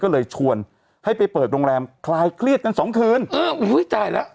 ก็เลยชวนให้ไปเปิดโรงแรมคลายเครียดกันสองคืนเอออุ้ยตายแล้ว